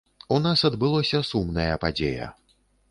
У нас адбылося сумная падзея.